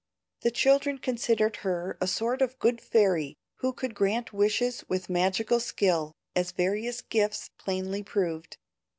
The children considered her a sort of good fairy who could grant wishes with magical skill, as various gifts plainly proved.